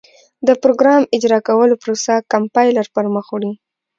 د پراګرام اجرا کولو پروسه کمپایلر پر مخ وړي.